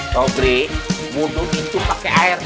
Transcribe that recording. kau gri mundur itu pakai air